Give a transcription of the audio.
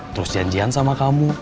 terus janjian sama kamu